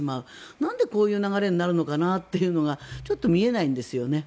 何でこういう流れになるのかなというのが見えないんですよね。